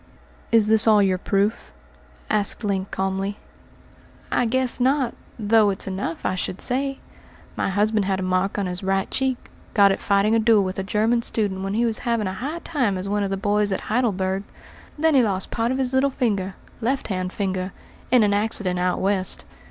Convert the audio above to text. "Is this all your proof?" asked Link calmly. "I guess not, though it's enough, I should say. My husband had a mark on his right cheek got it fighting a duel with a German student when he was having a high time as one of the boys at Heidelberg. Then he lost part of his little finger left hand finger in an accident out West.